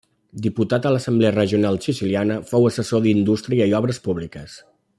Diputat a l'Assemblea Regional Siciliana, fou assessor d'indústria i obres públiques.